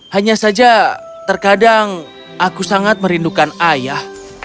hanya saja terkadang aku sangat merindukan ayah